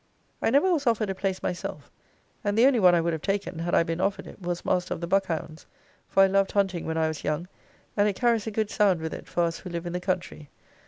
I never was offered a place myself: and the only one I would have taken, had I been offered it, was master of the buckhounds; for I loved hunting when I was young; and it carries a good sound with it for us who live in the country.